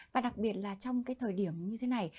và đặc biệt là trong cái thời điểm như thế này